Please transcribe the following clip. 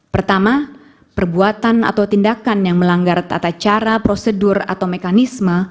pertama perbuatan atau tindakan yang melanggar tata cara prosedur atau mekanisme